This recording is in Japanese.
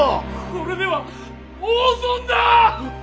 これでは大損だ！